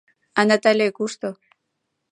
А Натале кушто?